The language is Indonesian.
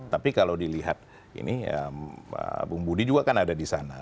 tapi kalau dilihat ini pak bumbudi juga kan ada di sana